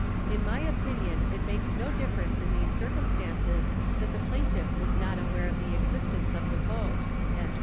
... In my opinion it makes no difference in these circumstances that the plaintiff was not aware of the existence of the boat."